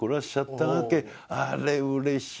あれうれしや。